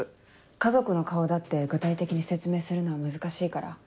家族の顔だって具体的に説明するのは難しいから。